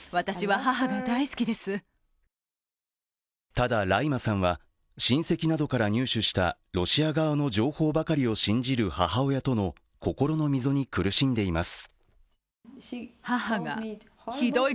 ただライマさんは、親戚などから入手したロシア側の情報ばかりを信じる母親との心の溝に苦しんでいます。